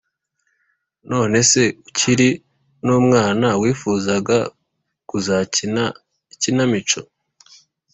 none se ukiri n’umwana wifuzaga kuzakina ikinamico?